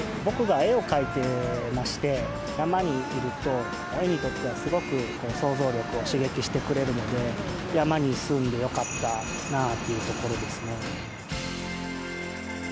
僕が絵を描いてまして山にいるとすごく想像力を刺激してくれるので山に住んでよかったなというところですね。